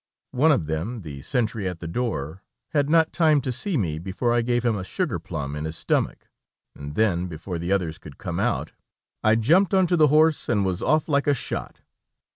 One of them, the sentry at the door, had not time to see me before I gave him a sugar plum in his stomach, and then, before the others could come out, I jumped on to the horse and was off like a shot.